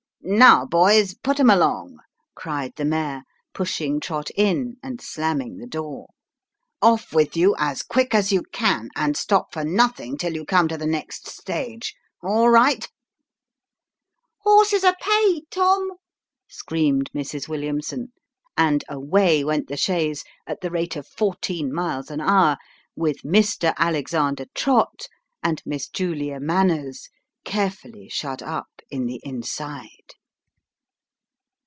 " Now, boys, put 'em along," cried the mayor, pushing Trott in and slamming the door. " Off with you, as quick as you can, and stop for nothing till you come to the next stage all right !"" Horses are paid, Tom," screamed Mrs. Williamson ; and away went the chaise, at the rate of fourteen miles an hour, with Mr. Alexander Trott and Miss Julia Manners carefully shut up in tho inside.